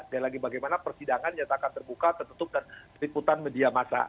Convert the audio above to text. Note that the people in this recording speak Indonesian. bagi bagaimana persidangan yang akan terbuka tertutup dan keliputan media massa